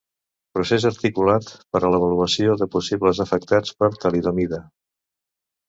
Procés articulat per a l'avaluació de possibles afectats per talidomida.